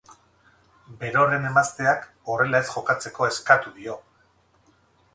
Berorren emazteak, horrela ez jokatzeko eskatuko dio.